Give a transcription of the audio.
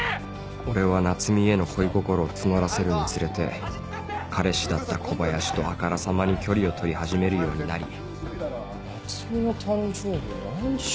俺は奈津美への恋心を募らせるにつれて彼氏だった小林とあからさまに距離を取り始めるようになり奈津美の誕生日何しよっかなぁ。